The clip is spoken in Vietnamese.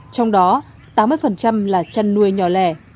trong đó tám mươi là chân nuôi nhỏ lẻ